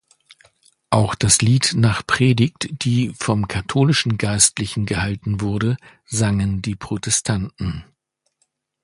Auch das Lied nach Predigt, die vom katholischen Geistlichen gehalten wurde, sangen die Protestanten.